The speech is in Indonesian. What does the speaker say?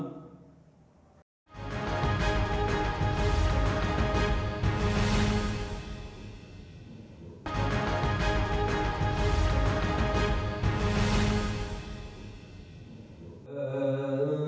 apa yang kita lakukan